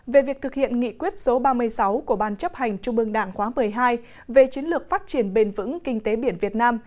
về việc thực hiện nghị quyết số ba mươi sáu của ban chấp hành trung ương đảng khóa một mươi hai về chiến lược phát triển bền vững kinh tế biển việt nam